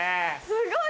すごい！